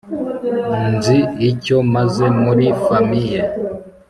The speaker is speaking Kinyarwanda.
nzi icyo mazemuri famiye